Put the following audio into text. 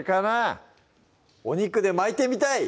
お肉で巻いてみたい！